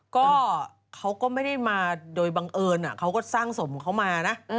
ก็เขาก็ไม่ได้มาโดยบังเอิญเขาก็สร้างสมเขามานะ